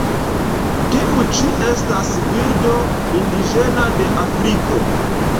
Tiu ĉi estas birdo indiĝena de Afriko.